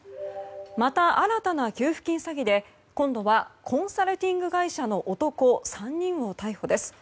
また新たな給付金詐欺で今度はコンサルティング会社の男３人を逮捕です。